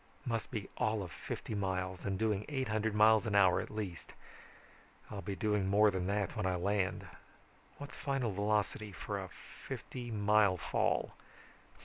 Must be all of fifty miles, and doing eight hundred miles an hour at least. I'll be doing more than that when I land. What's final velocity for a fifty mile fall?